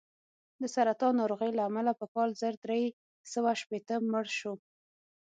د سرطان ناروغۍ له امله په کال زر درې سوه شپېته مړ شو.